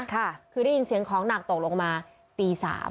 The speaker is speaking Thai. ค่ะคือได้ยินเสียงของหนักตกลงมาตี๓